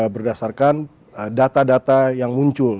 berdasarkan data data yang muncul